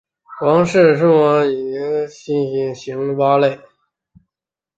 王氏树蛙为树栖夜行性蛙类。